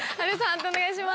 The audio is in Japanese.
判定お願いします。